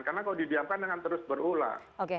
karena kalau didiamkan dengan terus berulang